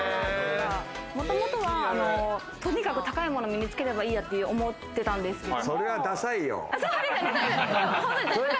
もともとは、とにかく高いものを身につければいいやと思ってたんそれはダサいよ。